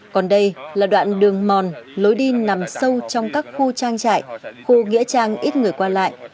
còn đây là đoạn đường mòn lối đi nằm sâu trong các khu trang trại khu nghĩa trang ít người qua lại